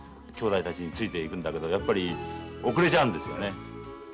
兄弟たちについていくんだけどやっぱり後れちゃうんですよね。